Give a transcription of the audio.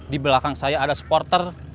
di belakang saya ada supporter